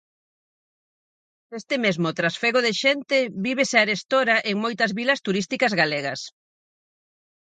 Este mesmo trasfego de xente vívese arestora en moitas vilas turísticas galegas.